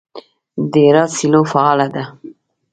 د هرات سیلو فعاله ده.